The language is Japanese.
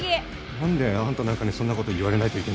なんであんたなんかにそんな事言われないといけないんだ。